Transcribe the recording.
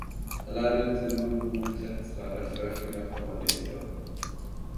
Eller är du inte nog god klättrare för att kunna komma ner till dem?